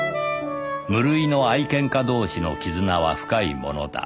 無類の愛犬家同士の絆は深いものだ